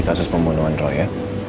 kasus pembunuhan roy ya